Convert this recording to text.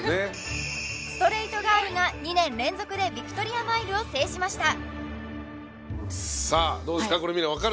ストレイトガールが２年連続でヴィクトリアマイルを制しましたさあどうですか？